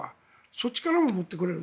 そっちからも持ってこられる。